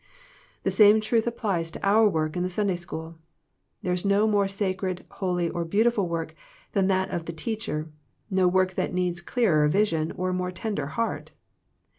The same truth applies to our work in the Sunday school. There is no more sacred, holy, or beautiful work than that of the teacher, no work that needs clearer vision or more tender heart.